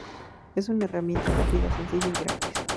Es una herramienta rápida, sencilla y gratis.